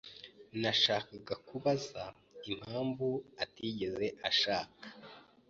Nashakaga kubaza impamvu atigeze ashaka.